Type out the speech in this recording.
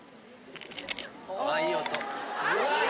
あいい音。